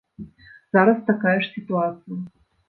Зараз такая ж сітуацыя.